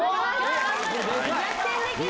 おお！逆転できる。